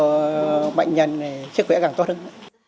học bệnh nhân thì sức khỏe càng tốt hơn